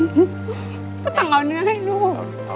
ก็ต้องเอาเนื้อให้ลูก